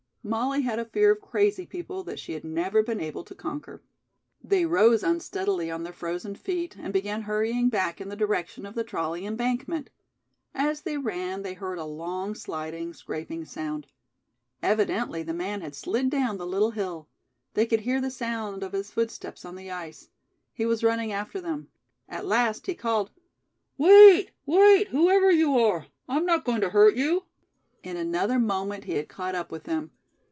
Molly had a fear of crazy people that she had never been able to conquer. They rose unsteadily on their frozen feet and began hurrying back in the direction of the trolley embankment. As they ran, they heard a long, sliding, scraping sound. Evidently the man had slid down the little hill. They could hear the sound of his footsteps on the ice. He was running after them. At last he called: "Wait, wait, whoever you are. I'm not going to hurt you." In another moment he had caught up with them.